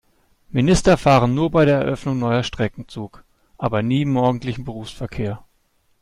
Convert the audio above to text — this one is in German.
Minister fahren nur bei der Eröffnung neuer Strecken Zug, aber nie im morgendlichen Berufsverkehr.